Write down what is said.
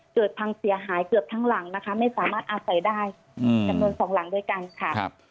เกิดพังเสียหายเกือบทั้งหลังนะคะไม่สามารถอาศัยได้จำนวนสองหลังด้วยกันค่ะ